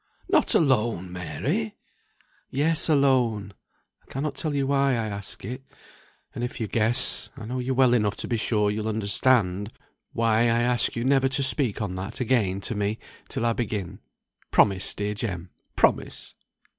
"Not alone, Mary!" "Yes, alone! I cannot tell you why I ask it. And if you guess, I know you well enough to be sure you'll understand why I ask you never to speak on that again to me, till I begin. Promise, dear Jem, promise!"